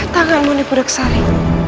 tanganmu dipudek sari